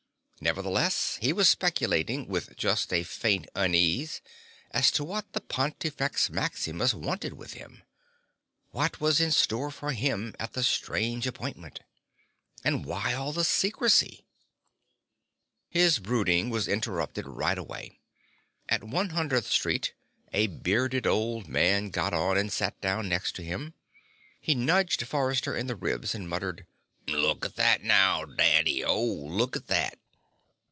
Nevertheless, he was speculating with just a faint unease as to what the Pontifex Maximus wanted with him. What was in store for him at the strange appointment? And why all the secrecy? His brooding was interrupted right away. At 100th Street, a bearded old man got on and sat down next to him. He nudged Forrester in the ribs and muttered: "Look at that now, Daddy O. Look at that."